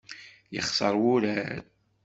Yexṣeṛ wurar!